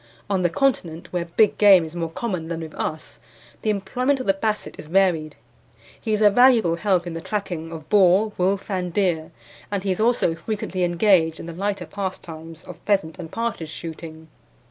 On the Continent, where big game is more common than with us, the employment of the Basset is varied. He is a valuable help in the tracking of boar, wolf, and deer, and he is also frequently engaged in the lighter pastimes of pheasant and partridge shooting.